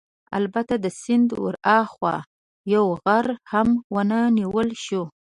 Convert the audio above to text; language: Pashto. البته د سیند ورهاخوا یو غر هم ونه نیول شو.